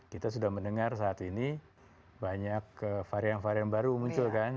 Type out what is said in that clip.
kita sudah mendengar saat ini banyak varian varian baru muncul kan